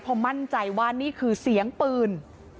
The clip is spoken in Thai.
พอมั่นใจว่านี่คือเสียงปืน